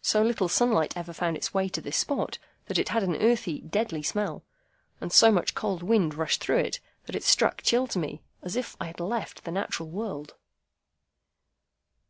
So little sunlight ever found its way to this spot, that it had an earthy, deadly smell; and so much cold wind rushed through it, that it struck chill to me, as if I had left the natural world.